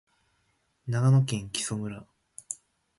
長野県木祖村